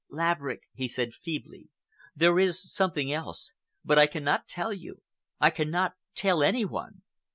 "Laverick," he said feebly, "there is something else, but I cannot tell you—I cannot tell any one."